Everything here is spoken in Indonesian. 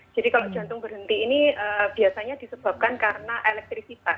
jadi kalau jantung berhenti ini biasanya disebabkan karena elektrik kita